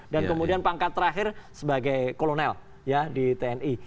dan kemudian pangkat terakhir sebagai kolonel ya di tni